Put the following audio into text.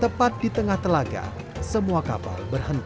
tepat tetangga tangga semua kapal berhenti